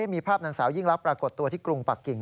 มีภาพหนังสายิ่งแล้วปรากฏตัวที่กรุงปักกิ่ง